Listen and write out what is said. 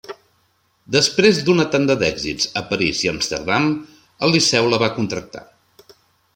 Després d'una tanda d'èxits a París i Amsterdam, el Liceu la va contractar.